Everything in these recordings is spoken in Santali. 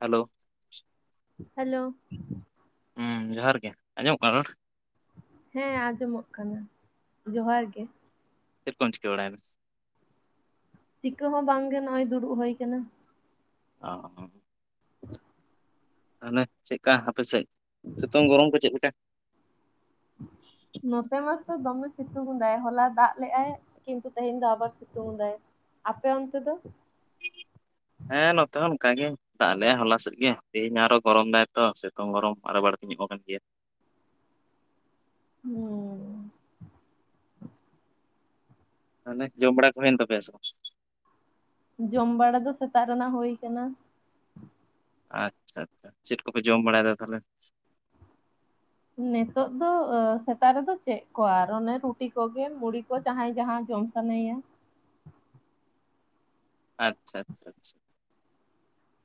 ᱦᱮᱞᱳ ᱦᱮᱞᱳ ᱦᱩᱸ ᱡᱚᱦᱟᱨ ᱜᱮ ᱟᱸᱡᱚᱢᱚᱜ ᱠᱟᱱᱟ ᱨᱚᱲ? ᱦᱮᱸ ᱟᱸᱡᱚᱢᱚᱜ ᱠᱟᱱᱟ ᱡᱚᱦᱟᱨ ᱜᱮ ᱪᱮᱫ ᱠᱚᱢ ᱪᱤᱠᱟᱹᱵᱟᱲᱟᱭ ᱫᱟ? ᱪᱤᱠᱟᱹ ᱦᱚᱸ ᱵᱟᱝᱜᱮ ᱱᱚᱜ-ᱚᱭ ᱫᱩᱲᱩᱵ ᱦᱳᱭ ᱠᱟᱱᱟ᱾ ᱚᱦᱚ ᱵᱟᱝ ᱟᱸᱡᱚᱢ ᱴᱷᱤᱠᱟᱹᱜ ᱠᱟᱱᱟ ᱾ ᱛᱟᱦᱚᱞᱮ ᱪᱮᱫᱠᱟ ᱟᱯᱮᱥᱮᱫ ᱥᱤᱛᱩᱝ ᱜᱚᱨᱚᱢ ᱠᱚ ᱪᱮᱫ ᱞᱮᱠᱟ? ᱱᱚᱛᱮ ᱢᱟᱛᱚ ᱫᱚᱢᱮ ᱥᱤᱛᱩᱝ ᱫᱟᱭ ᱦᱚᱞᱟ ᱫᱟᱜ ᱞᱮᱜᱟᱭ ᱠᱤᱱᱛᱩ ᱛᱮᱦᱮᱧ ᱫᱚ ᱟᱵᱟᱨ ᱥᱤᱛᱩᱝ ᱫᱟᱭ ᱟᱯᱮ ᱚᱱᱛᱮ ᱫᱚ? ᱦᱮᱸᱻ ᱱᱚᱛᱮ ᱦᱚᱸ ᱚᱱᱠᱟ ᱜᱮ ᱫᱟᱜ ᱞᱮᱜ-ᱟᱭ ᱦᱚᱞᱟ ᱥᱮᱫ ᱜᱮ ᱛᱮᱦᱮᱧ ᱟᱨᱚ ᱜᱚᱨᱚᱢ ᱫᱟᱭᱛᱚ ᱥᱮᱛᱳᱝ ᱜᱚᱨᱚᱢ ᱟᱨᱚ ᱵᱟᱹᱲᱛᱤᱧᱚᱜ ᱠᱟᱱ ᱜᱮᱭᱟ ᱦᱩᱸᱻ ᱛᱟᱞᱦᱮ ᱡᱚᱢ ᱵᱟᱲᱟ ᱠᱚ ᱦᱳᱭᱮᱱ ᱛᱟᱯᱮᱭᱟᱥᱮ ᱵᱟᱝ? ᱡᱚᱢ ᱵᱟᱲᱟ ᱫᱚ ᱥᱮᱛᱟᱜ ᱨᱮᱱᱟᱜ ᱦᱳᱭ ᱠᱟᱱᱟ᱾ ᱟᱪᱷᱟ-ᱟᱪᱷᱟ ᱪᱮᱫ ᱠᱚᱯᱮ ᱡᱚᱢ ᱵᱟᱲᱟᱭᱫᱟ ᱛᱟᱞᱦᱮ? ᱱᱤᱛᱚᱜ ᱫᱚ ᱥᱮᱛᱟᱜ ᱨᱮᱫᱚ ᱪᱮᱫ ᱠᱚ ᱟᱨ ᱚᱱᱮ ᱨᱩᱴᱤ ᱠᱚᱜᱮ ᱢᱩᱲᱤ ᱠᱚ ᱡᱟᱦᱟᱸᱭ ᱡᱟᱦᱟᱸ ᱡᱚᱢ ᱥᱟᱱᱟᱭᱟ᱾ ᱟᱪᱷᱟ-ᱟᱪᱷᱟ-ᱟᱪᱷᱟ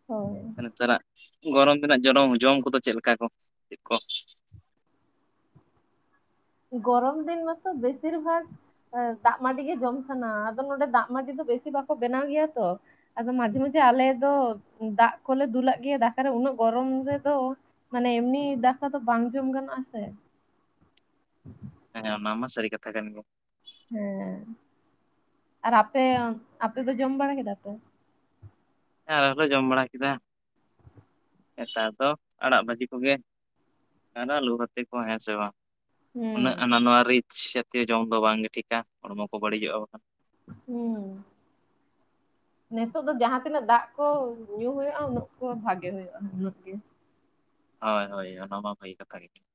ᱦᱳᱭ ᱱᱮᱛᱟᱨᱟᱜ ᱜᱚᱨᱚᱢ ᱨᱮᱱᱟᱜ ᱡᱚᱢ ᱠᱚᱫᱚ ᱪᱮᱫ ᱞᱮᱠᱟ ᱠᱚ ᱪᱮᱫ ᱠᱚ? ᱜᱚᱨᱚᱢ ᱫᱤᱱ ᱢᱟᱛᱚ ᱵᱮᱥᱤᱨ ᱵᱷᱟᱜᱽ ᱫᱟᱜ ᱢᱟᱹᱰᱤ ᱜᱮ ᱡᱚᱢ ᱥᱟᱱᱟ ᱟᱫᱚ ᱱᱚᱰᱮ ᱫᱟᱜ ᱢᱟᱹᱰᱤ ᱫᱚ ᱵᱮᱥᱤ ᱵᱟᱠᱚ ᱵᱮᱱᱟᱣ ᱜᱮᱭᱟ ᱛᱚ ᱟᱫᱚ ᱢᱟᱡᱷᱮ-ᱢᱟᱡᱷᱮ ᱟᱞᱮ ᱫᱚ ᱫᱟᱜ ᱠᱚᱞᱮ ᱫᱩᱞᱟᱜ ᱜᱮᱭᱟ ᱫᱟᱠᱟᱨᱮ ᱩᱱᱟᱹᱜ ᱜᱚᱨᱚᱢ ᱨᱮᱫᱚ ᱢᱟᱱᱮ ᱮᱢᱱᱤ ᱫᱟᱠᱟ ᱫᱚ ᱵᱟᱝ ᱡᱚᱢ ᱜᱟᱱᱚᱜᱼᱟ ᱥᱮ ᱾ [inaudible] ᱦᱮᱸ ᱚᱱᱟᱢᱟ ᱥᱟᱹᱨᱤ ᱠᱟᱛᱷᱟ ᱠᱟᱱ ᱜᱮ ᱾ ᱦᱮᱸ [inaudible] ᱟᱨ ᱟᱯᱮ ᱟᱯᱮ ᱫᱚ ᱡᱚᱢ ᱵᱟᱲᱟ ᱠᱮᱫᱟ ᱯᱮ? ᱦᱮᱸ ᱟᱞᱮ ᱫᱚᱞᱮ ᱡᱚᱢ ᱵᱟᱲᱟ ᱠᱮᱫᱟ, [inaudible] ᱱᱮᱛᱟᱨ ᱫᱚ ᱟᱲᱟᱜ ᱵᱷᱟᱹᱡᱤ ᱠᱚᱜᱮ ᱾ ᱟᱨ ᱟᱞᱩ ᱵᱷᱟᱛᱮ ᱠᱚ ᱦᱮᱸ ᱥᱮ ᱵᱟᱝ ᱾ ᱩᱱᱟᱹᱜ ᱦᱩᱸ ᱟᱱᱟ ᱱᱟᱶᱟ ᱨᱤᱪᱽ ᱡᱟᱛᱤᱭᱚ ᱡᱚᱢ ᱫᱚ ᱵᱟᱝ ᱜᱮ ᱴᱷᱤᱠᱟ, ᱦᱚᱲᱢᱚ ᱠᱚ ᱵᱟᱹᱲᱤᱡᱚᱜᱼᱟ ᱵᱟᱝ ᱦᱮᱸᱻ ᱱᱤᱛᱳᱜ ᱫᱚ ᱡᱟᱦᱟᱸ ᱛᱤᱱᱟᱹᱜ ᱫᱟᱜ ᱠᱚ ᱧᱩ ᱦᱩᱭᱩᱜᱼᱟ ᱩᱱᱟᱹᱜ ᱠᱚ ᱵᱷᱟᱜᱮ ᱦᱩᱭᱩᱜᱼᱟ ᱾ ᱩᱱᱟᱹᱜ ᱜᱮ ᱦᱳᱭ ᱦᱳᱭ ᱚᱱᱟ ᱢᱟ [unintelligible] ᱠᱟᱛᱷᱟ ᱜᱮ ᱾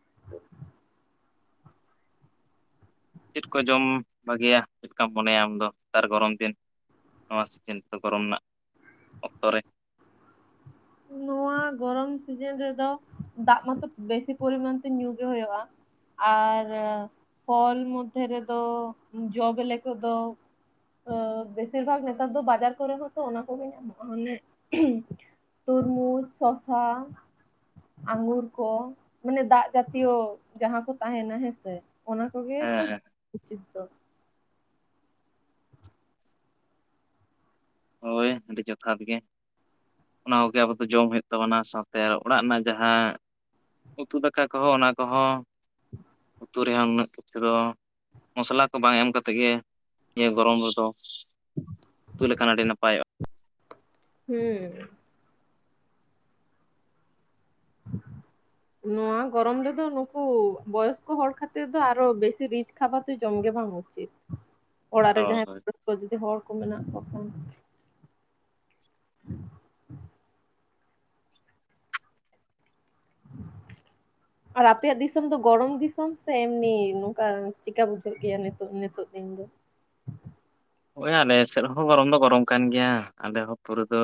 [inaudible] ᱪᱮᱫ ᱠᱚ ᱡᱚᱢ ᱵᱷᱟᱹᱜᱤᱭᱟ ᱪᱮᱫᱠᱟᱢ ᱢᱚᱱᱮᱭᱟ ᱟᱢ ᱫᱚ ᱱᱮᱛᱟᱨ ᱜᱚᱨᱚᱢ ᱫᱤᱱ? ᱱᱚᱣᱟ ᱥᱤᱡᱤᱱ ᱫᱚ ᱜᱚᱨᱚᱢ ᱨᱮᱱᱟᱜ [inaudible] ᱚᱠᱛᱚ ᱨᱮ ᱾ ᱱᱚᱣᱟ ᱜᱚᱨᱚᱢ ᱥᱤᱡᱤᱱ ᱨᱮᱫᱚ ᱫᱟᱜ ᱢᱟᱛᱚ ᱵᱮᱥᱤ ᱯᱚᱨᱤᱢᱟᱱ ᱛᱮ ᱧᱩ ᱜᱮ ᱦᱩᱭᱩᱜᱼᱟ ᱾ ᱟᱨ ᱯᱷᱚᱞ ᱢᱚᱫᱽᱫᱷᱮ ᱨᱮᱫᱚ ᱡᱚ ᱵᱤᱞᱤ ᱠᱚᱫᱚ ᱵᱮᱥᱤᱨ ᱵᱷᱟᱜᱽ ᱱᱮᱛᱟᱨ ᱫᱚ ᱵᱟᱡᱟᱨ ᱠᱚᱨᱮ ᱦᱚᱸᱛᱚ ᱚᱱᱟ ᱠᱚᱜᱮ ᱧᱟᱢᱚᱜᱼᱟ [unintelligible] ᱛᱚᱨᱢᱩᱡᱽ, ᱥᱚᱥᱟ ᱟᱸᱜᱩᱨ ᱠᱚ ᱢᱟᱱᱮ ᱫᱟᱜ ᱡᱟᱛᱤᱭᱚ ᱡᱟᱦᱟᱸ ᱠᱚ ᱛᱟᱦᱮᱱᱟ ᱦᱮᱸᱥᱮ ᱾ ᱚᱱᱟ ᱠᱚᱜᱮ ᱦᱮᱸ ᱛᱚ ᱦᱮᱸ ᱩᱪᱤᱛ ᱫᱚ ᱾ ᱦᱳᱭ ᱟᱹᱰᱤ ᱡᱚᱛᱷᱟᱛ ᱜᱮ ᱾ ᱚᱱᱟ ᱠᱚᱜᱮ ᱟᱵᱚ ᱫᱚ ᱡᱚᱢ ᱦᱩᱭᱩᱜ ᱛᱟᱵᱚᱱᱟ ᱥᱟᱶᱛᱮ ᱚᱲᱟᱜ ᱨᱮᱱᱟᱜ ᱡᱟᱦᱟ ᱩᱛᱩ ᱫᱟᱠᱟ ᱠᱚᱦᱚᱸ ᱚᱱᱟ ᱠᱚᱦᱚᱸ ᱩᱛᱩ ᱨᱮᱦᱚᱸ ᱩᱱᱟᱹᱜ ᱠᱤᱪᱷᱩ ᱫᱚ ᱢᱚᱥᱞᱟ ᱠᱚ ᱵᱟᱝ ᱮᱢ ᱠᱟᱛᱮᱫ ᱜᱮ ᱱᱤᱭᱟᱹ ᱜᱚᱨᱚᱢ ᱨᱮᱫᱚ [inaudible] [unintelligible] ᱞᱮᱠᱷᱟᱱ ᱟᱹᱰᱤ ᱱᱟᱯᱟᱭᱚᱜᱼᱟ ᱾ ᱦᱩᱸᱻ ᱱᱚᱣᱟ ᱜᱚᱨᱚᱢ ᱨᱮᱫᱚ ᱱᱩᱠᱩ ᱵᱚᱭᱚᱥᱠᱚ ᱦᱚᱲ ᱠᱷᱟᱹᱛᱤᱨ ᱫᱚ ᱟᱨᱚ ᱵᱮᱥᱤ ᱨᱤᱪᱽ ᱠᱷᱟᱵᱟᱨ ᱫᱚ ᱡᱚᱢ ᱜᱮ ᱵᱟᱝ ᱩᱪᱤᱛ ᱾ ᱚᱲᱟᱜ ᱦᱳᱭ ᱨᱮ ᱦᱳᱭ ᱡᱟᱦᱟᱸᱭ [unintelligible] ᱡᱩᱫᱤ ᱦᱚᱲ ᱠᱚ ᱢᱮᱱᱟᱜ ᱠᱚ ᱠᱷᱟᱱ ᱟᱨ ᱟᱯᱮᱭᱟᱜ ᱫᱤᱥᱚᱢ ᱫᱚ ᱜᱚᱨᱚᱢ ᱫᱤᱥᱚᱢ ᱥᱮ ᱮᱢᱱᱤ ᱱᱚᱝᱠᱟ ᱪᱮᱫᱠᱟ ᱵᱩᱡᱷᱟᱹᱜ ᱜᱮᱭᱟ ᱱᱤᱛᱚᱜ ᱱᱤᱛᱚᱜ ᱫᱤᱱ ᱫᱚ? ᱦᱳᱭ ᱟᱞᱮ ᱥᱮᱫ ᱨᱮ ᱦᱚᱸ ᱜᱚᱨᱚᱢ ᱫᱚ ᱜᱚᱨᱚᱢ ᱠᱟᱱ ᱜᱮᱭᱟ ᱾ ᱟᱞᱮ ᱦᱚᱸ ᱯᱩᱨᱟᱹ ᱫᱚ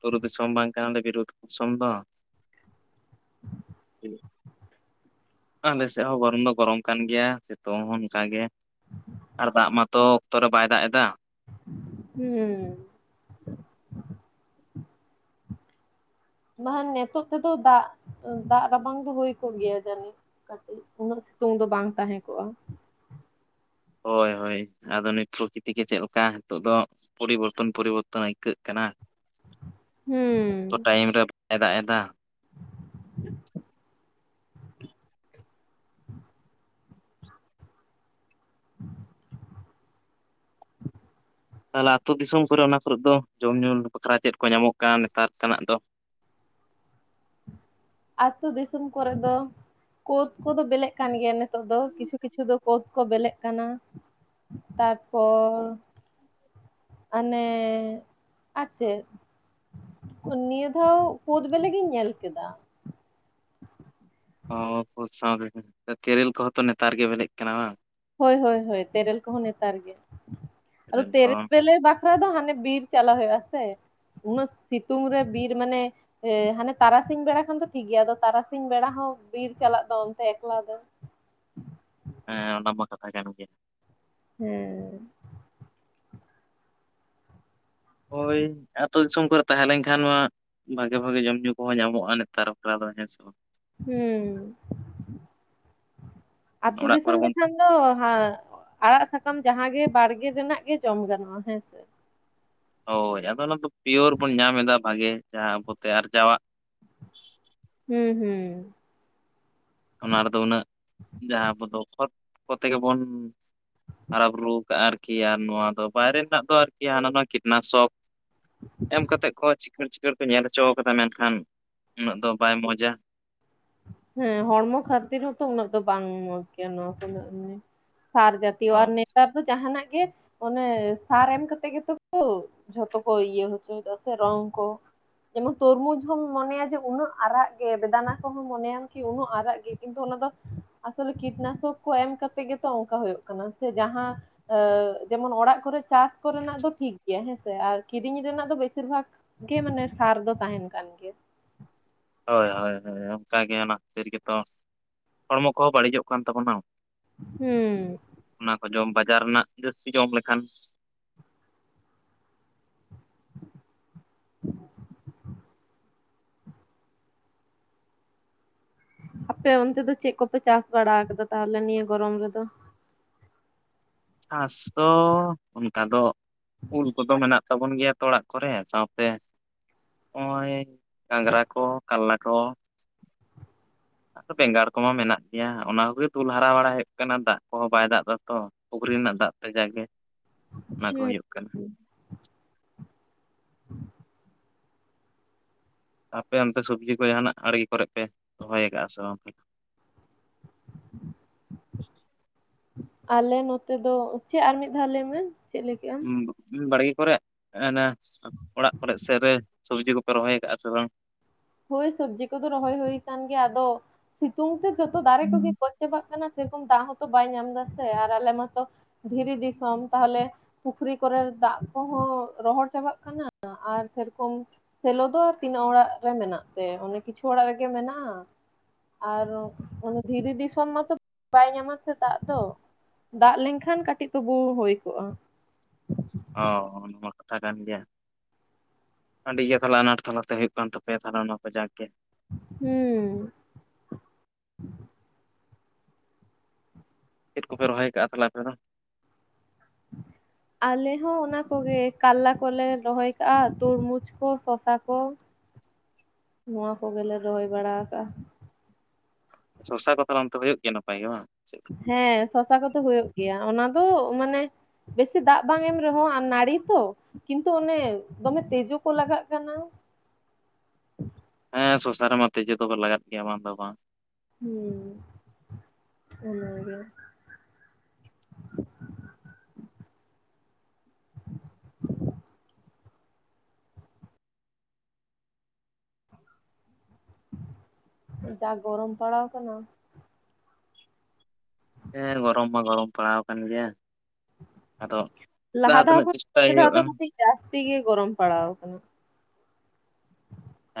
ᱵᱩᱨᱩ ᱫᱤᱥᱚᱢ ᱵᱟᱝ ᱠᱟᱱᱟ ᱞᱮ [unintelligible] ᱫᱤᱥᱚᱢ ᱫᱚ ᱾ ᱟᱞᱮᱥᱮᱫ ᱦᱚᱸ ᱜᱚᱨᱚᱢ ᱫᱚ ᱜᱚᱨᱚᱢ ᱠᱟᱱ ᱜᱮᱭᱟ ᱥᱮᱛᱩᱝ ᱦᱚᱸ ᱚᱱᱠᱟ ᱜᱮ ᱾ ᱟᱨ ᱫᱟᱜ ᱢᱟᱛᱚ ᱚᱠᱛᱚ ᱨᱮ ᱵᱟᱭ ᱫᱟᱜ ᱮᱫᱟ ᱾ ᱦᱩᱸᱻ ᱵᱟᱝᱠᱷᱟᱱ ᱱᱤᱛᱳᱜ ᱛᱮᱫᱚ ᱫᱟᱜ ᱫᱟᱜ ᱨᱟᱵᱟᱝ ᱫᱚ ᱦᱩᱭ ᱠᱚᱜ ᱜᱮᱭᱟ ᱡᱟᱹᱱᱤᱡ ᱾ ᱠᱟᱹᱴᱤᱡ [unintelligible] ᱥᱤᱛᱩᱝ ᱫᱚ ᱵᱟᱝ ᱛᱟᱦᱮᱸ ᱠᱚᱜᱼᱟ ᱾ ᱦᱳᱭ ᱦᱳᱭ ᱟᱫᱚ [unintelligible] ᱜᱮ ᱪᱮᱫ ᱞᱮᱠᱟ ᱱᱤᱛᱚᱜ ᱫᱚ ᱯᱚᱨᱤᱵᱚᱨᱛᱚᱱ ᱯᱚᱨᱤᱵᱚᱨᱛᱚᱱ ᱟᱹᱭᱠᱟᱹᱜ ᱠᱟᱱᱟ ᱾ ᱦᱩᱸ [inaudible] ᱚᱠᱛᱚ ᱴᱟᱭᱤᱢ ᱨᱮ ᱵᱟᱭ ᱫᱟᱜ ᱮᱫᱟ ᱾ ᱛᱟᱦᱚᱞᱮ ᱟᱛᱳ ᱫᱤᱥᱚᱢ ᱠᱚᱨᱮ ᱚᱱᱟ ᱠᱚᱨᱮᱜ ᱫᱚ ᱡᱚᱢ ᱧᱩ ᱵᱟᱠᱷᱨᱟ ᱪᱮᱫ ᱠᱚ ᱧᱟᱢᱚᱜ ᱠᱟᱱᱟ ᱱᱮᱛᱟᱨ ᱛᱮᱱᱟᱜ ᱫᱚ? ᱟᱛᱳ ᱫᱤᱥᱚᱢ ᱠᱚᱨᱮᱫ ᱫᱚ ᱠᱳᱫᱽ ᱠᱚᱫᱚ ᱵᱮᱞᱮᱜ ᱠᱟᱱ ᱜᱮᱭᱟ ᱱᱤᱛᱚᱜ ᱫᱚ ᱾ ᱠᱤᱪᱷᱩ ᱠᱤᱪᱷᱩ ᱫᱚ ᱠᱳᱫᱽ ᱠᱚ ᱵᱮᱞᱮᱜ ᱠᱟᱱᱟ, ᱛᱟᱨᱯᱚᱨ ᱟᱱᱮ ᱟᱨ ᱪᱮᱫ? ᱱᱤᱭᱟᱹ ᱫᱷᱟᱣ ᱠᱳᱫᱽ ᱵᱮᱞᱮ ᱜᱤᱧ ᱧᱮᱞ ᱠᱮᱫᱟ ᱾ ᱦᱚ ᱦᱚ ᱠᱩᱫ ᱥᱟᱶᱛᱮ ᱛᱮᱨᱮᱞ ᱠᱚᱦᱚᱸ ᱛᱚ ᱱᱮᱛᱟᱨ ᱜᱮ ᱵᱮᱞᱮᱜ ᱠᱟᱱᱟ ᱵᱟᱝ? ᱦᱳᱭ ᱦᱳᱭ ᱦᱳᱭ ᱛᱮᱨᱮᱞ ᱠᱚᱦᱚᱸ ᱱᱮᱛᱟᱨ ᱜᱮ, ᱟᱫᱚ ᱛᱮᱨᱮᱞ ᱵᱮᱞᱮ ᱵᱟ ᱟᱠᱷᱨᱟ ᱫᱚ ᱦᱟᱱᱮ ᱵᱤᱨ ᱪᱟᱞᱟᱣ ᱦᱳᱭᱳᱜ ᱟᱥᱮ, ᱩᱱᱟᱹᱜ ᱥᱤᱛᱩᱝ ᱨᱮ ᱵᱤᱨ ᱢᱟᱱᱮ ᱮ ᱦᱟᱱᱮ ᱛᱟᱨᱟᱥᱤᱧ ᱵᱮᱲᱟ ᱠᱷᱚᱱᱟᱱ ᱫᱚ ᱴᱷᱤᱠ ᱜᱮᱭᱟ ᱟᱫᱚ ᱛᱟᱨᱟᱥᱤᱧ ᱵᱮᱲᱟ ᱦᱚᱸ ᱵᱤᱨ ᱪᱟᱞᱟᱜ ᱫᱚ ᱚᱱᱛᱮ ᱮᱠᱞᱟ ᱫᱚ, ᱦᱮᱸ ᱚᱱᱟ ᱢᱟ ᱠᱟᱛᱷᱟ ᱠᱟᱱ ᱜᱮ᱾ ᱦᱮᱸ, ᱦᱳᱭ ᱟᱹᱛᱩᱳ ᱫᱤᱥᱚᱢ ᱠᱚᱨᱮ ᱛᱟᱦᱮᱸ ᱞᱮᱱᱠᱷᱟᱱ ᱢᱟ ᱵᱷᱟᱜᱮ ᱵᱷᱟᱜᱮ ᱡᱚᱢᱼᱧᱩ ᱠᱚᱦᱚᱸ ᱧᱟᱢᱚᱜᱼᱟ ᱱᱮᱛᱟᱨ ᱵᱟᱠᱷᱨᱟ ᱫᱚ ᱦᱮᱸᱥᱮ ᱵᱟᱝ? ᱦᱩᱸ ᱟᱹᱛᱩ ᱚᱲᱟᱜ ᱫᱤᱥᱚᱢ ᱠᱚᱨᱮ ᱨᱮ ᱵᱚᱱ ᱠᱷᱟᱱ ᱫᱚ ᱦᱟᱜ ᱟᱲᱟᱜ ᱥᱟᱠᱟᱢ ᱡᱟᱦᱟᱸ ᱜᱮ ᱵᱟᱲᱜᱮ ᱨᱮᱱᱟᱜ ᱜᱮ ᱡᱚᱢ ᱜᱟᱱᱚᱜᱼᱟ, ᱦᱮᱸᱥᱮ ᱦᱳᱭ ᱟᱫᱚ ᱚᱱᱟ ᱫᱚ ᱯᱤᱭᱳᱨ ᱵᱚᱱ ᱧᱟᱢ ᱮᱫᱟ ᱵᱷᱟᱜᱮ ᱡᱟᱦᱟᱸ ᱟᱵᱚᱛᱮ ᱟᱨᱡᱟᱣᱟᱜ, ᱦᱩᱸ ᱦᱩᱸ, ᱚᱱᱟ ᱨᱮᱫᱚ ᱩᱱᱟᱹᱜ ᱡᱟᱦᱟᱸ ᱟᱵᱚ ᱫᱚ ᱠᱷᱚᱛ ᱠᱚᱛᱮ ᱜᱮᱵᱚᱱ ᱦᱟᱨᱟ ᱵᱩᱨᱩ ᱠᱟᱜᱼᱟ ᱟᱨᱠᱤ ᱱᱤᱭᱟ ᱫᱚ ᱵᱟᱭᱨᱮ ᱨᱮᱱᱟᱜ ᱫᱚ ᱟᱨᱠᱤ ᱦᱟᱱᱟ ᱱᱚᱣᱟ ᱠᱤᱴᱱᱟᱥᱚᱠ ᱮᱢ ᱠᱟ ᱛᱮᱜ ᱠᱚ ᱪᱤᱠᱟᱹᱲ ᱪᱤᱠᱟᱹᱲ ᱠᱚ ᱧᱮᱞ ᱦᱚᱪᱚ ᱟᱠᱟᱫᱟ ᱢᱮᱱᱠᱷᱟᱱ ᱩᱱᱟᱹᱜ ᱫᱚ ᱵᱟᱭ ᱢᱚᱸᱡᱟ, ᱦᱮᱸ ᱦᱚᱲᱢᱚ ᱠᱷᱟᱹᱛᱤᱨ ᱦᱚᱸᱛᱚ ᱩᱱᱟᱹᱜ ᱫᱚ ᱵᱟᱝ ᱢᱚᱸᱡᱽ ᱜᱮᱭᱟ ᱱᱚᱣᱟ ᱠᱚᱜ ᱥᱟᱨ ᱡᱟ ᱡᱟᱛᱤᱭᱚ, ᱟᱨ ᱦᱳᱭ ᱱᱮᱛᱟᱨ ᱫᱚ ᱡᱟᱦᱱᱟᱜ ᱜᱮ ᱚᱱᱮ ᱥᱟᱨ ᱮᱢ ᱠᱟᱛᱮ ᱜᱮᱛᱚ ᱠᱚ ᱡᱷᱚᱛᱚ ᱠᱚ ᱤᱭᱟᱹ ᱦᱚᱪᱚ ᱫᱟ ᱥᱮ ᱨᱚᱝ ᱠᱚ᱾ ᱡᱮᱢᱚᱱ ᱛᱚᱨᱢᱩᱡᱽ ᱦᱚᱢ ᱢᱚᱱᱮᱭᱟ ᱡᱮ ᱩᱱᱟᱹᱜ ᱟᱨᱟᱜ ᱜᱮ, ᱵᱮᱫᱟᱱᱟ ᱠᱚᱦᱚᱸ ᱢᱚᱱᱮᱭᱟᱢ ᱠᱤ ᱩᱱᱟᱹᱜ ᱟᱨᱟᱜ ᱜᱮ ᱠᱤᱱᱛᱩ ᱚᱱᱟ ᱫᱚ ᱟᱥᱚᱞᱮ ᱠᱤᱴᱱᱟᱥᱚᱠ ᱠᱚ ᱮᱢ ᱠᱟᱛᱮ ᱜᱮᱛᱚ ᱚᱱᱠᱟ ᱦᱳᱭᱳᱜ ᱠᱟᱱᱟ᱾ ᱥᱮ ᱡᱟᱦᱟᱸ ᱟᱹ ᱡᱮᱢᱚᱱ ᱚᱲᱟᱜ ᱠᱚᱨᱮ ᱪᱟᱥ ᱠᱚᱨᱮᱱᱟᱜ ᱫᱚ ᱴᱷᱤᱠ ᱜᱮᱭᱟ ᱦᱮᱸᱥᱮ, ᱟᱨ ᱠᱤᱨᱤᱧ ᱨᱮᱱᱟᱜ ᱫᱚ ᱵᱮᱥᱤᱨ ᱵᱷᱟᱜ ᱜᱮ ᱢᱟᱱᱮ ᱥᱟᱨ ᱫᱚ ᱛᱟᱦᱮᱱ ᱠᱟᱱ ᱜᱮ, ᱦᱳᱭ ᱦᱳᱭ ᱦᱳᱭ ᱚᱱᱠᱟᱜᱮ ᱚᱱᱟ ᱠᱷᱟᱹᱛᱤᱨ ᱜᱮᱛᱚ ᱦᱚᱲᱢᱚ ᱠᱚᱦᱚᱸ ᱵᱟᱹᱲᱤᱡᱚᱜ ᱠᱟᱱ ᱛᱟᱵᱚᱱᱟ᱾ ᱦᱩᱸᱢ, ᱚᱱᱟ ᱠᱚ ᱡᱚᱢ ᱵᱟᱡᱟᱨ ᱨᱮᱱᱟᱜ ᱡᱟᱹᱥᱛᱤ ᱡᱚᱢ ᱞᱮᱠᱷᱟᱱ, ᱟᱯᱮ ᱚᱱᱛᱮ ᱫᱚ ᱪᱮᱫ ᱠᱚᱯᱮ ᱪᱟᱥ ᱵᱟᱲᱟ ᱟᱠᱟᱫᱟ ᱛᱟᱦᱞᱮ ᱱᱤᱭᱟᱹ ᱜᱚᱨᱚᱢ ᱨᱮᱫᱚ? ᱪᱟᱥ ᱫᱚ ᱚᱱᱠᱟ ᱫᱚ ᱩᱞ ᱠᱚᱫᱚ ᱢᱮᱱᱟᱜ ᱛᱟᱵᱚᱱ ᱜᱮᱭᱟ ᱛᱚ ᱚᱲᱟᱜ ᱠᱚᱨᱮ ᱥᱟᱶᱛᱮ ᱱᱚᱜᱼᱚᱭ ᱜᱷᱟᱝᱜᱨᱟ ᱠᱚ, ᱠᱟᱞᱞᱟ ᱠᱚ, [inaudible] ᱟᱨ ᱵᱮᱸᱜᱟᱲ ᱠᱚᱢᱟ ᱢᱮᱱᱟᱜ ᱜᱮᱭᱟ ᱚᱱᱟ ᱠᱚᱜᱮ ᱫᱩᱞ ᱦᱟᱨᱟ ᱵᱟᱲᱟ ᱦᱩᱭᱩᱜ ᱠᱟᱱᱟ ᱫᱟᱜ ᱠᱚᱦᱚᱸ ᱵᱟᱭ ᱫᱟᱜ ᱫᱟᱛᱚ ᱯᱩᱠᱷᱨᱤ ᱨᱮᱱᱟᱜ ᱫᱟᱜ ᱛᱮ ᱡᱟ ᱜᱮ ᱚᱱᱟ ᱠᱚ ᱦᱩᱸ ᱦᱩᱭᱩᱜ ᱠᱟᱱᱟ᱾ ᱟᱯᱮ ᱚᱱᱛᱮ ᱥᱚᱵᱽᱡᱤ ᱠᱚ ᱡᱟᱦᱟᱱᱟᱜ ᱟᱲᱜᱮ ᱠᱚᱨᱮ ᱯᱮ ᱨᱚᱦᱚᱭ ᱟᱠᱟᱫᱼᱟ ᱥᱮ ᱜᱟᱝ? ᱟᱞᱮ ᱱᱚᱛᱮ ᱫᱚ, ᱪᱮᱫ ᱟᱨ ᱢᱤᱫ ᱫᱷᱟᱣ ᱞᱮᱟᱹᱭ ᱢᱮ? ᱪᱮᱫ ᱞᱟᱹᱭ ᱠᱮᱜ ᱟᱢ ᱦᱩᱸ, ᱵᱟᱲᱜᱮ ᱠᱚᱨᱮᱜ ᱮ ᱚᱲᱟᱜ ᱠᱚᱨᱮ ᱥᱮᱫ ᱨᱮ ᱥᱚᱵᱽᱡᱤ ᱠᱚᱯᱮ ᱨᱚᱦᱚᱭ ᱟᱠᱟᱟᱜᱼᱟ ᱥᱮ ᱵᱟᱝ? ᱦᱳᱭ ᱥᱚᱵᱽᱡᱤ ᱠᱚᱫᱚ ᱨᱚᱦᱚᱭ ᱦᱩᱭ ᱟᱠᱟᱱ ᱜᱮᱭᱟ, ᱟᱫᱚ ᱥᱤᱛᱩᱝ ᱛᱮ ᱡᱚᱛᱚ ᱫᱟᱨᱮ ᱠᱚᱜᱮ ᱜᱚᱡ ᱪᱟᱵᱟᱜ ᱠᱟᱱᱟ ᱥᱮ ᱨᱚᱠᱚᱢ ᱫᱟᱜ ᱦᱚᱸᱛᱚ ᱵᱟᱭ ᱧᱟᱢ ᱮᱫᱟ ᱥᱮ ᱟᱨ ᱟᱞᱮ ᱢᱟᱛᱚ ᱫᱷᱤᱨᱤ ᱫᱤᱥᱚᱢ ᱛᱟᱦᱚᱞᱮ, ᱯᱩᱠᱷᱨᱤ ᱠᱚᱨᱮ ᱫᱟᱜ ᱠᱚᱦᱚᱸ ᱨᱚᱦᱚᱲ ᱪᱟᱵᱟᱜ ᱠᱟᱱᱟ ᱟᱨ ᱥᱮᱨᱚᱠᱚᱢ ᱥᱮᱞᱳ ᱫᱚ ᱛᱤᱱᱟᱹᱜ ᱚᱲᱟᱜ ᱨᱮ ᱢᱮᱱᱟᱜ ᱛᱮ ᱚᱱᱮ ᱠᱤᱪᱷᱩ ᱚᱲᱟᱜ ᱨᱮᱜᱮ ᱢᱮᱱᱟᱜᱼᱟ᱾ ᱟᱨ ᱫᱷᱤᱨᱤ ᱫᱤᱥᱚᱢ ᱢᱟᱛᱚ ᱵᱟᱭ ᱧᱟᱢᱟ ᱥᱮ ᱫᱟᱜ ᱫᱚ, ᱫᱟᱜ ᱞᱮᱱᱠᱷᱟᱱ ᱠᱟᱹᱴᱤᱡ ᱛᱵᱩ ᱦᱩᱭ ᱠᱚᱜᱼᱟ᱾ ᱚ ᱱᱚᱣᱟ ᱠᱟᱛᱷᱟ ᱠᱟᱱ ᱜᱮᱭᱟ᱾ ᱟᱹᱰᱤ ᱜᱮ ᱛᱟᱦᱚᱞᱮ ᱟᱱᱟᱴ ᱛᱟᱞᱟᱛᱮ ᱦᱩᱭᱩᱜ ᱠᱟᱱ ᱛᱟᱯᱮᱭᱟ ᱛᱟᱦᱮ ᱚᱱᱟ ᱠᱚ ᱡᱟᱠ ᱜᱮ, ᱦᱩᱸᱢ, ᱪᱮᱫ ᱠᱚᱯᱮ ᱨᱚᱦᱚᱭ ᱟᱠᱟᱟᱜᱼᱟ ᱛᱟᱦᱮ ᱟᱯᱮ ᱫᱚ᱾ ᱦᱮ [inaudible] ᱟᱞᱮ ᱦᱚᱸ ᱚᱱᱟᱠᱜᱮ ᱠᱟᱨᱞᱟ ᱠᱚᱞᱮ ᱨᱚᱦᱚᱭ ᱠᱟᱜᱼᱟ ᱛᱚᱨᱢᱩᱡᱽ ᱠᱚ ᱥᱚᱥᱟ ᱠᱚ᱾ ᱱᱚᱣᱟ ᱠᱚᱜᱮᱞᱮ ᱨᱚᱦᱚᱭ ᱵᱟᱲᱟ ᱟᱠᱟᱜᱼᱟ᱾ [unintelligible] ᱫᱚᱥᱟᱨ ᱠᱚᱫᱚ ᱚᱱᱛᱮ ᱦᱩᱭᱩᱜ ᱜᱮᱭᱟ ᱱᱟᱯᱟᱭ ᱜᱮ ᱵᱟᱝ ᱪ ᱼᱼ ᱦᱮᱸ ᱥᱚᱥᱟ ᱠᱚᱫᱚ ᱦᱩᱭᱩᱜ ᱜᱮᱭᱟ ᱚᱱᱟ ᱫᱚ ᱢᱟᱱᱮᱼᱼ ᱵᱮᱥᱤ ᱫᱟᱜ ᱵᱟᱝ ᱮᱢ ᱨᱮᱦᱚᱸ ᱱᱟᱹᱲᱤ ᱛᱚᱼᱼ ᱠᱤᱱᱛᱩ ᱚᱱᱮ ᱫᱚᱢᱮ ᱛᱮᱡᱩ ᱠᱚ ᱞᱟᱜᱟᱜ ᱠᱟᱱᱟ᱾ ᱦᱮᱸ ᱥᱚᱥᱟ ᱨᱮ ᱢᱟ ᱛᱮᱡᱩ ᱠᱚ ᱞᱟᱜᱟᱜ ᱜᱮᱭᱟ ᱵᱟᱝ ᱫᱚ ᱵᱟᱝᱼᱼ ᱦᱮᱸ ᱚᱱᱟᱜᱮ ᱡᱟᱜ ᱜᱚᱨᱚᱢ ᱯᱟᱲᱟᱣ ᱠᱟᱱᱟ᱾ ᱦᱮᱸ ᱜᱚᱨᱚᱢ ᱢᱟ ᱜᱚᱨᱚᱢ ᱯᱟᱲᱟᱣ ᱟᱠᱟᱱ ᱜᱮᱭᱟ᱾ ᱟᱫᱚ ᱞᱟᱦᱟ ᱡᱟᱦᱟᱸ ᱫᱷᱟᱣ ᱛᱤᱱᱟᱹᱜ ᱠᱷᱚᱱ ᱪᱮᱥᱴᱟᱭ ᱱᱤᱭᱟᱹ ᱫᱷᱟᱣ ᱦᱩᱭᱩᱜᱼᱟ᱾ ᱫᱚ ᱠᱟᱹᱴᱤᱡ ᱡᱟᱹᱥᱛᱤ ᱜᱮ ᱜᱚᱨᱚᱢ ᱯᱟᱲᱟᱣ ᱟᱠᱟᱱᱟ᱾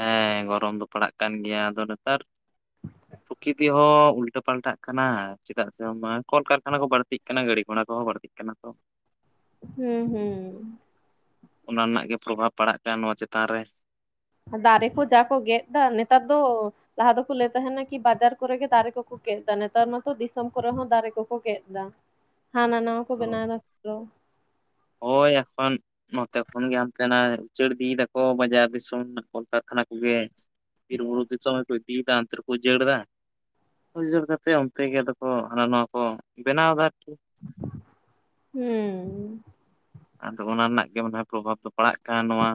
ᱦᱮᱸ ᱜᱚᱨᱚᱢ ᱫᱚ ᱯᱟᱲᱟᱜ ᱠᱟᱱ ᱜᱮᱭᱟ ᱟᱫᱚ ᱱᱮᱛᱟᱨᱼᱼ [inaudible] ᱯᱨᱚᱠᱨᱤᱛ ᱦᱚᱸ ᱩᱞᱴᱟᱹ ᱯᱟᱞᱴᱟᱜ ᱠᱟᱱᱟ ᱪᱮᱫᱟᱜ ᱥᱮ ᱵᱟᱝ ᱠᱚᱨᱠᱷᱟᱱᱟ ᱠᱚ ᱵᱟᱹᱲᱛᱤᱜ ᱠᱟᱱᱟ ᱜᱟᱹᱰᱤ ᱜᱷᱚᱲᱟ ᱠᱚᱦᱚᱸ ᱵᱟᱹᱲᱛᱤᱜ ᱠᱟᱱᱟ᱾ ᱠᱟᱱᱟ ᱠᱚᱚ ᱦᱩᱸ ᱦᱩᱸ ᱚᱱᱟ ᱨᱮᱱᱟᱜ ᱜᱮ ᱯᱛᱨᱵᱷᱟᱵᱽ ᱯᱟᱲᱟᱜ ᱠᱟᱱᱟ ᱱᱚᱣᱟ ᱪᱮᱛᱟᱱ ᱨᱮᱼᱼ ᱫᱟᱨᱮ ᱠᱚ ᱡᱟ ᱠᱚ ᱜᱮᱫ ᱫᱟ ᱱᱮᱛᱟᱨ ᱫᱚ ᱞᱟᱦᱟ ᱫᱚᱠᱚ ᱞᱟᱹᱭ ᱛᱟᱦᱮᱱᱟ ᱠᱤ ᱵᱟᱡᱟᱨ ᱠᱚᱨᱮ ᱜᱮ ᱫᱟᱨᱮ ᱠᱚᱼᱼ ᱜᱮᱫ ᱫᱟ ᱱᱮᱛᱟᱨ ᱱᱚᱛᱚ ᱫᱤᱥᱚᱢ ᱠᱚᱨᱮ ᱦᱚᱸ ᱫᱟᱨᱮ ᱠᱚᱠᱚ ᱜᱮᱫ ᱮᱟ ᱦᱟᱱᱟ ᱱᱷᱟᱣᱟ᱾ ᱠᱚ ᱵᱮᱱᱟᱣ ᱫᱚ [unintelligible] ᱱᱚᱛᱮ ᱠᱷᱚᱱᱜᱮ ᱦᱟᱱᱛᱮᱱᱟᱜ ᱩᱪᱟᱹᱲ ᱤᱫᱤᱭ ᱫᱟᱠᱚ ᱵᱟᱡᱟᱨ ᱫᱤᱥᱚᱢ ᱨᱮᱱᱟᱜ ᱠᱚᱞᱠᱟᱨᱠᱷᱟᱱᱟ ᱠᱚᱜᱮᱼᱼ [unintelligible] ᱩᱡᱟᱹᱲ ᱫᱟ ᱩᱡᱟᱹᱲ ᱠᱟᱛᱮᱫ ᱚᱱᱛᱮ ᱜᱮ ᱟᱫᱚ ᱠᱚ ᱦᱟᱱᱟ ᱱᱷᱟᱣᱟ ᱠᱚ ᱵᱮᱱᱟᱣ ᱫᱟ᱾ ᱦᱮᱸ ᱟᱫᱚ ᱚᱱᱟ ᱨᱮᱱᱟᱜ ᱜᱮ ᱢᱟᱱᱮ ᱯᱨᱚᱵᱷᱟᱵᱽ ᱫᱚ ᱯᱟᱲᱟᱜ ᱠᱟᱱᱟ ᱱᱚᱣᱟ᱾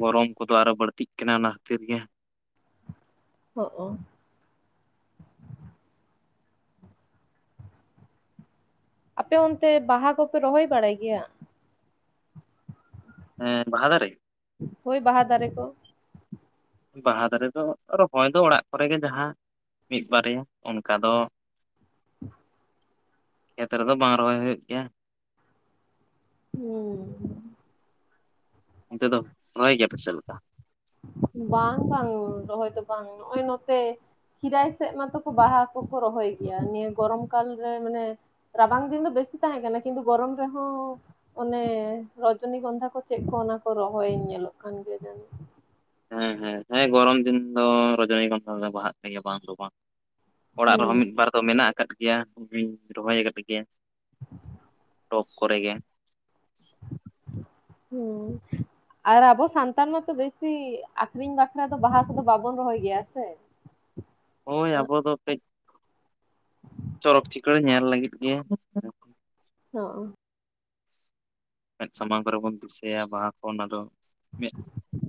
ᱜᱚᱨᱚᱢ ᱠᱚᱫᱚ ᱟᱨᱚ ᱵᱟᱹᱲᱛᱤᱜ ᱠᱟᱱᱟ ᱚᱱᱟ ᱠᱷᱟᱹᱛᱤᱨ ᱜᱮᱼᱼ ᱦᱚᱸᱜ ᱚ ᱟᱯᱮ ᱚᱱᱛᱮ ᱵᱟᱦᱟ ᱠᱚᱯᱮ ᱨᱚᱦᱚᱭ ᱵᱟᱲᱟᱭ ᱜᱮᱭᱟ᱾ ᱦᱮᱸ ᱵᱟᱦᱟᱫᱟᱨᱮᱼᱼ ᱦᱳᱭ ᱵᱟᱦᱟ ᱫᱟᱨᱮ ᱠᱚᱼᱼ ᱵᱟᱦᱟ ᱫᱟᱨᱮ ᱫᱚ ᱨᱚᱦᱚᱭ ᱫᱚ ᱚᱲᱟᱜ ᱠᱚᱨᱮ ᱜᱮ ᱡᱟᱦᱟᱸ᱾ ᱢᱤᱫ ᱵᱟᱨᱭᱟ ᱚᱱᱠᱟ ᱫᱚᱼᱼ ᱦᱩᱸ ᱠᱷᱮᱛ ᱨᱮᱫᱚ ᱵᱟᱝ ᱨᱚᱦᱚᱭ ᱦᱩᱭᱩᱜ ᱜᱮᱭᱟ᱾ ᱦᱚᱸ ᱚᱱᱛᱮᱫ ᱫᱚ ᱨᱚᱦᱚᱭ ᱜᱮᱭᱟᱯᱮ ᱪᱮᱫ ᱞᱮᱠᱟ᱾ ᱵᱟᱝ ᱵᱟᱝ ᱨᱚᱦᱚᱭ ᱫᱚ ᱵᱟᱝ ᱱᱚᱜᱼᱚᱭ ᱱᱚᱛᱮᱼᱼ ᱠᱷᱤᱨᱟᱭ ᱥᱮᱫ ᱢᱟᱛᱚ ᱵᱟᱦᱟ ᱠᱚᱠᱚ ᱨᱚᱦᱚᱭ ᱜᱮᱭᱟ ᱱᱤᱭᱟᱹ ᱜᱚᱨᱚᱢ ᱠᱟᱞᱨᱮ ᱢᱟᱱᱮᱼᱼ ᱨᱟᱵᱟᱝ ᱫᱤᱱ ᱫᱚ ᱵᱮᱥᱤ ᱛᱟᱦᱮᱸ ᱠᱟᱱᱟ ᱠᱤᱱᱛᱩ ᱜᱚᱨᱚᱢ ᱨᱮᱦᱚᱸᱼᱼ ᱚᱱᱮ ᱨᱚᱡᱚᱱᱤ ᱜᱚᱱᱫᱷᱟ ᱠᱚ ᱪᱮᱫ ᱠᱚ ᱚᱱᱟ ᱠᱚ ᱨᱚᱦᱚᱭ ᱧᱮᱞᱚᱜ ᱠᱟᱱ ᱜᱮᱭᱟ ᱡᱮᱱᱚ᱾ ᱦᱮᱸ ᱦᱮᱸ ᱦᱮᱸ ᱜᱚᱨᱚᱢ ᱫᱤᱱ ᱫᱚ ᱨᱚᱡᱚᱱᱤᱜᱚᱱᱫᱷᱟ ᱫᱚ ᱵᱟᱦᱟᱜ ᱠᱟᱱ ᱜᱮᱭᱟ ᱵᱟᱝ ᱫᱚ ᱵᱟᱝ᱾ ᱚᱲᱟᱜ ᱨᱮᱦᱚᱸ ᱦᱩᱸ ᱢᱤᱫ ᱵᱟᱨ ᱫᱚ ᱢᱮᱱᱟᱜ ᱟᱠᱟᱫ ᱜᱮᱭᱟ ᱤᱧ ᱨᱚᱦᱚᱭ ᱟᱠᱟᱫ ᱜᱮᱭᱟ᱾ ᱴᱚᱯ ᱠᱚᱨᱮ ᱜᱮ ᱦᱮᱸ ᱟᱨ ᱟᱵᱚ ᱥᱟᱱᱛᱟᱲ ᱢᱟᱛᱚ ᱵᱮᱥᱤ ᱟᱠᱷᱨᱤᱧ ᱵᱟᱠᱷᱨᱟ ᱫᱚ ᱵᱟᱦᱟ ᱠᱚᱫᱚ ᱵᱟᱵᱚᱱ ᱨᱚᱦᱚᱭ ᱜᱮᱭᱟ ᱥᱮ ᱦᱚᱭ ᱟᱵᱚ ᱫᱚ ᱠᱟᱹᱡᱼᱼ ᱪᱚᱨᱚᱠ ᱪᱤᱠᱟᱹᱲ ᱧᱮᱞ ᱞᱟᱹᱜᱤᱫ ᱜᱮ᱾ ᱚᱸᱻ [unintelligible] ᱚᱱᱟᱫᱚ ᱢᱮᱫ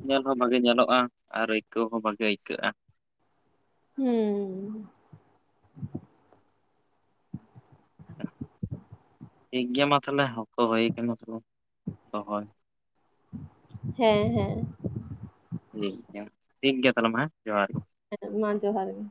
ᱧᱮᱞ ᱦᱚᱸ ᱵᱷᱟᱜᱮ ᱧᱮᱞᱚᱜᱼᱟ ᱟᱨ ᱟᱹᱭᱠᱟᱹᱣ ᱦᱚᱸ ᱵᱷᱟᱜᱮ ᱟᱹᱭᱠᱟᱹᱜᱼᱟ᱾ ᱦᱩᱸ ᱴᱷᱤᱠ ᱜᱮᱭᱟ ᱢᱟ ᱛᱟᱦᱚᱞᱮ ᱦᱚᱠᱚ ᱦᱳᱭ ᱠᱟᱱᱟ [unintelligible] ᱫᱚᱦᱚᱭᱼᱼ ᱦᱮᱸ ᱦᱮᱸ ᱴᱷᱤᱠ ᱜᱮᱭᱟ ᱴᱷᱤᱠ ᱜᱮᱭᱟ ᱛᱟᱦᱚᱞᱮ ᱢᱟ ᱦᱮᱸ ᱡᱚᱦᱟᱨ ᱜᱮ ᱦᱮᱸ ᱢᱟ ᱡᱚᱦᱟᱨ ᱜᱮ᱾